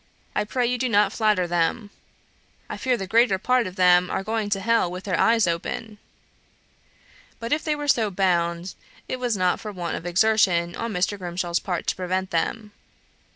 I pray you do not flatter them. I fear the greater part of them are going to hell with their eyes open.'" But if they were so bound, it was not for want of exertion on Mr. Grimshaw's part to prevent them.